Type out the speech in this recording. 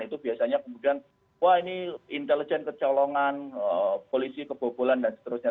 itu biasanya kemudian wah ini intelijen kecolongan polisi kebobolan dan seterusnya